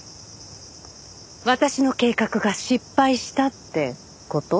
私の計画が失敗したって事？